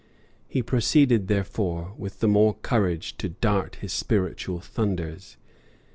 He proceeded, therefore, with the more courage to dart his spiritual thunders.